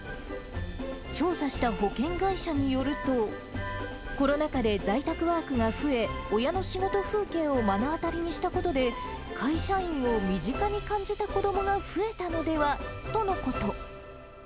調査した保険会社によると、コロナ禍で在宅ワークが増え、親の仕事風景を目の当たりにしたことで、会社員を身近に感じた子どもが増えたのではとのこと。